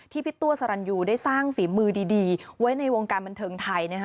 พี่ตัวสรรยูได้สร้างฝีมือดีไว้ในวงการบันเทิงไทยนะฮะ